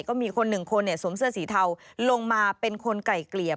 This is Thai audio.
ก็มีคนหนึ่งคนสวมเสื้อสีเทาลงมาเป็นคนไก่เกลี่ย